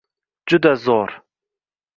Juda zo'r!